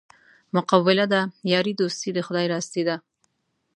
مقوله ده: یاري دوستي د خدای راستي ده.